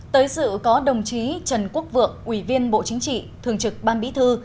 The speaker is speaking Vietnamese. tới sự có đồng chí trần quốc vượng ủy viên bộ chính trị thường trực ban bí thư